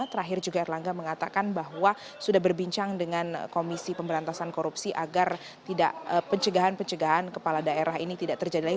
terakhir juga erlangga mengatakan bahwa sudah berbincang dengan komisi pemberantasan korupsi agar tidak pencegahan pencegahan kepala daerah ini tidak terjadi lagi